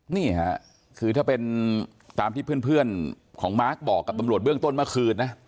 นี่ค่ะคือถ้าเป็นตามที่เพื่อนของมาร์คบอกกับตำรวจเบื้องต้นเมื่อคืนนะ